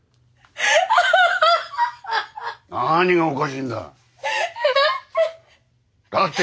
何がおかしいんだ？だって。